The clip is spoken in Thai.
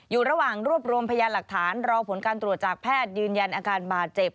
อยู่ระหว่างรวบรวมพยานหลักฐานรอผลการตรวจจากแพทย์ยืนยันอาการบาดเจ็บ